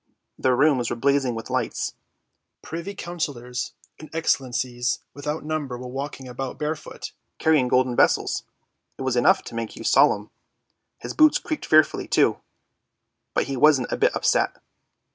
' The rooms were blazing with lights. Privy coun cillors and excellencies without number were walking about barefoot carrying golden vessels; it was enough to make you solemn! His boots creaked fearfully too, but he wasn't a bit upset."